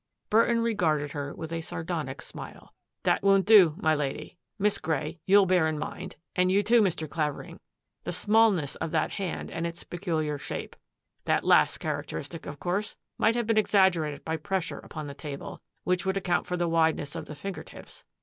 Burton regarded her with a sardonic smile. " That won't do, my Lady. Miss Grey, you'll bear in mind, and you, too, Mr. Clavering, the smallness of that hand and its peculiar shape. That last characteristic, of course, might have been exaggerated by pressure upon the table, which would account for the wideness of the finger tips.